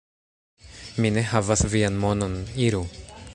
Mi ne havas vian monon, iru!